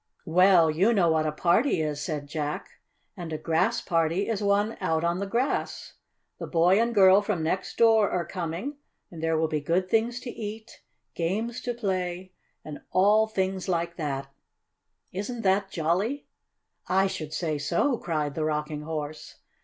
"Well, you know what a party is," said Jack. "And a Grass Party is one out on the grass. The boy and girl from next door are coming, and there will be good things to eat, games to play and all things like that. Isn't that jolly?" "I should say so!" cried the Rocking Horse.